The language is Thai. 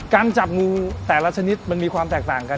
จับงูแต่ละชนิดมันมีความแตกต่างกัน